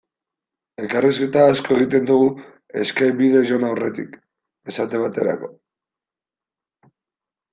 Elkarrizketa asko egiten dugu Skype bidez joan aurretik, esate baterako.